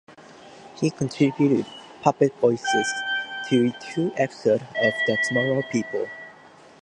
He contributed puppet voices to two episodes of "The Tomorrow People".